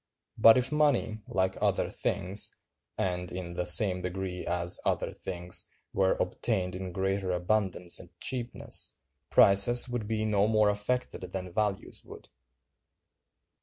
But if money, like other things, and in the same degree as other things, were obtained in greater abundance and cheapness, prices would be no more affected than values would.